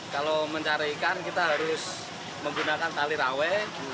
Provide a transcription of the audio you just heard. kalau mencari ikan kita harus menggunakan tali rawe